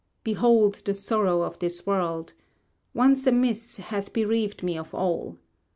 Behold the sorrow of this world! Once amiss, hath bereaved me of all.